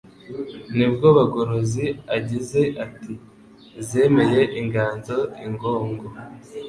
ni bwo Bagorozi agize ati “Zemeye inganzo ingongo”,